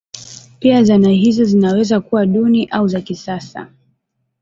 Pia zana hizo zinaweza kuwa duni au za kisasa.